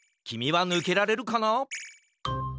きみはぬけられるかな？